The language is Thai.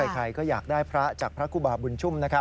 ใครก็อยากได้พระจากพระครูบาบุญชุ่ม